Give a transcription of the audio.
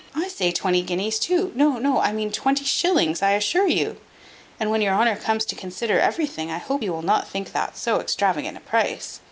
I say twenty guineas too. No, no, I mean twenty shillings, I assure you. And when your honour comes to consider everything, I hope you will not think that so extravagant a price.